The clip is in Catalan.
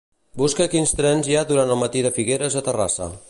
Busca quins trens hi ha durant el matí de Figueres a Terrassa.